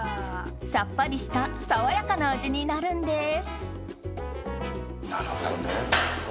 さっぱりした爽やかな味になるんです。